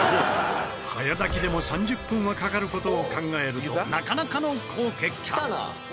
早炊きでも３０分はかかる事を考えるとなかなかの好結果。